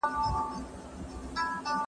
و گټه، پيل وخوره.